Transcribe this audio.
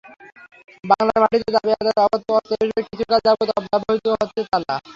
বাংলার মাটিতে দাবি আদায়ের অব্যর্থ অস্ত্র হিসেবে কিছুকাল যাবৎ ব্যবহূত হচ্ছে তালা।